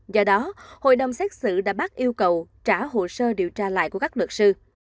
do đó hội đồng xét xử đã bác yêu cầu trả hồ sơ điều tra lại của các luật sư